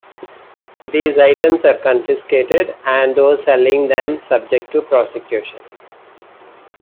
These items are confiscated, and those selling them subject to prosecution.